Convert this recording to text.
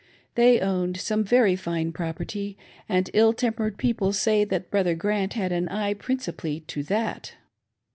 They owned some very fine property, and ill tempered people said that Brother Grant had an eye principally to that.